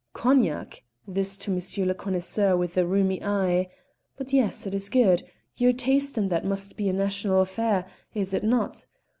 "Cognac," this to M. le Connoisseur with the rheumy eye "but yes, it is good; your taste in that must be a national affair, is it not?